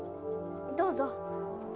どうぞ。